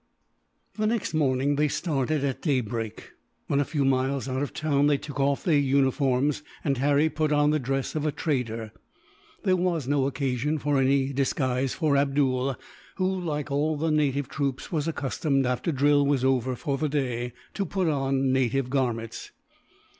The next morning they started at daybreak. When a few miles out of town, they took off their uniforms; and Harry put on the dress of a trader. There was no occasion for any disguise for Abdool who, like all the native troops, was accustomed, after drill was over for the day, to put on native garments.